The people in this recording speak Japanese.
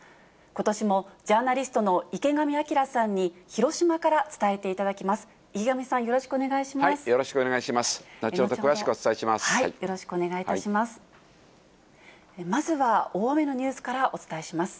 ことしもジャーナリストの池上彰さんに、広島から伝えていただきます。